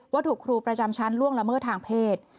ว่าถูกครูประจำชั้นล่วงละเมิดทางเพศ